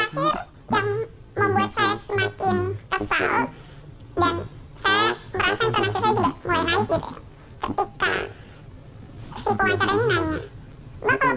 yang terakhir yang membuat saya semakin kesal dan saya merasa insonasi saya juga mulai naik gitu ya